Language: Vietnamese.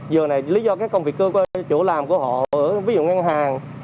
giờ này lý do các công việc cơ của chủ làm của họ ví dụ ngân hàng